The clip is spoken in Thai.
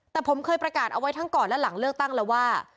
แต่ผมเคยประกาศเอาไว้ทั้งก่อนและหลังเลือกตั้งแล้วว่า